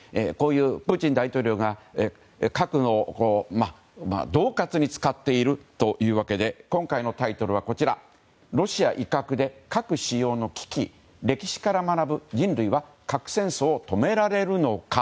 プーチン大統領が核を恫喝に使っているということで今回のタイトルはロシア威嚇で核使用の危機歴史から学ぶ人類は核戦争を止められるか？